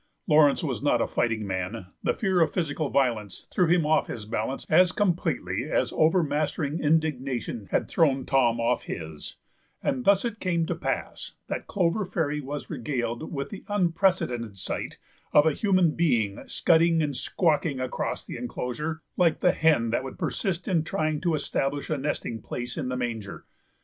Laurence was not a fighting man; the fear of physical violence threw him off his balance as completely as overmastering indignation had thrown Tom off his, and thus it came to pass that Clover Fairy was regaled with the unprecedented sight of a human being scudding and squawking across the enclosure, like the hen that would persist in trying to establish a nesting place in the manger.